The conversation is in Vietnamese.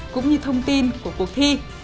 cũng như thông tin của cuộc thi